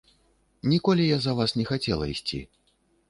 Ніколі я за вас не хацела ісці.